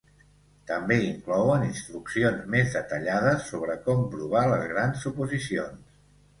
També inclouen instruccions més detallades sobre com provar les grans suposicions.